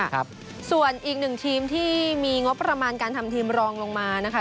ครับส่วนอีกหนึ่งทีมที่มีงบประมาณการทำทีมรองลงมานะคะ